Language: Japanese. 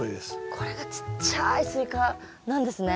これがちっちゃいスイカなんですね。